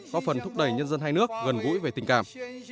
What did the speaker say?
có phần thúc đẩy nhân dân hai nước gần gũi về tình cảm